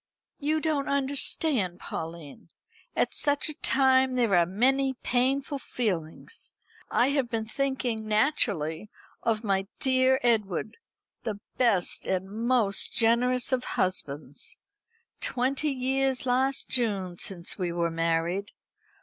"You don't understand, Pauline. At such a time there are many painful feelings. I have been thinking, naturally, of my dear Edward, the best and most generous of husbands. Twenty years last June since we were married.